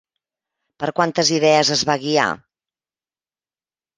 Per quantes idees es va guiar?